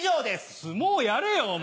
相撲やれよ！お前。